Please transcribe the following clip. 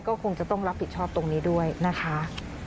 ก็คงจะต้องรับผิดชอบตรงนี้ด้วยนะคะ